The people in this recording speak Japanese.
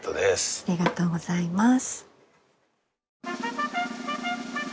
ありがとうございます。